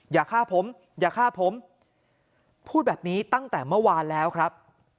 อย่าฆ่าผมอย่าฆ่าผมพูดแบบนี้ตั้งแต่เมื่อวานแล้วครับ